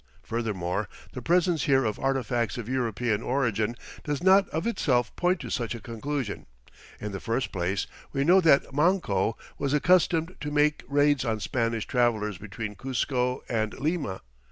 Furthermore, the presence here of artifacts of European origin does not of itself point to such a conclusion. In the first place, we know that Manco was accustomed to make raids on Spanish travelers between Cuzco and Lima.